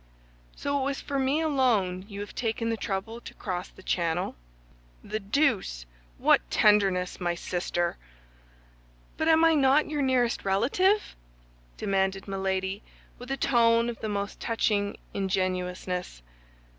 "So it was for me alone you have taken the trouble to cross the Channel?" "For you alone." "The deuce! What tenderness, my sister!" "But am I not your nearest relative?" demanded Milady, with a tone of the most touching ingenuousness.